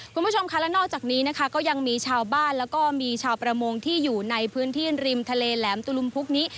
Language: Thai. คุณผู้ชมค่ะและนอกจากนี้นะคะก็ยังมีชาวบ้านแล้วก็มีชาวประมงที่อยู่ในพื้นที่ริมทะเลแหลมตุลุมพุกนี้